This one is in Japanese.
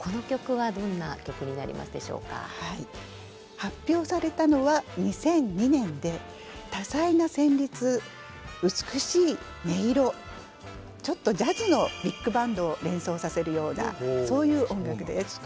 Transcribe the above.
発表されたのは２００２年で多彩な旋律美しい音色ちょっとジャズのビッグバンドを連想させるようなそういう音楽です。